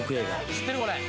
知ってるこれ。